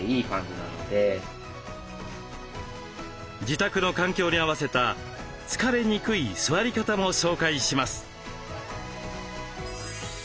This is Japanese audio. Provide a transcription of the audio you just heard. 自宅の環境に合わせた疲れにくい座り方も紹介します。